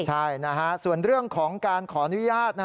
ใช่นะฮะส่วนเรื่องของการขออนุญาต